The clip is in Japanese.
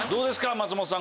松本さん